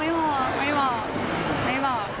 ไม่บอกไม่บอกไม่บอก